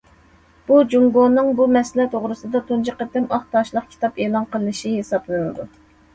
بۇ جۇڭگونىڭ بۇ مەسىلە توغرىسىدا تۇنجى قېتىم ئاق تاشلىق كىتاب ئېلان قىلىشى ھېسابلىنىدۇ.